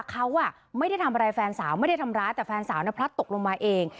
เขาไม่ได้ทำอะไรแฟนสาวไม่ได้ทำร้ายแต่แฟนสาวพลัดตกลงมาเอง